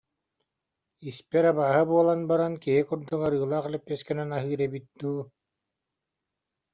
Испэр «абааһы буолан баран киһи курдук арыылаах лэппиэскэнэн аһыыр эбит дуу